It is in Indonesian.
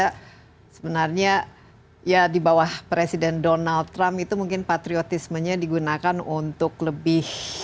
karena sebenarnya ya di bawah presiden donald trump itu mungkin patriotismenya digunakan untuk lebih